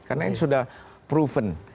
karena ini sudah proven